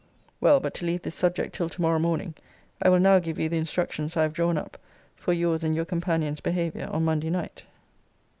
Well, but to leave this subject till to morrow morning, I will now give you the instructions I have drawn up for your's and your companions' behaviour on Monday night.